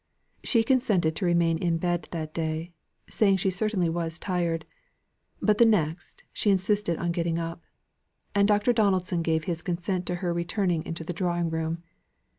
She consented to remain in bed that day, saying she certainly was tired; but, the next, she insisted on getting up; and Dr. Donaldson gave his consent to her returning into the drawing room.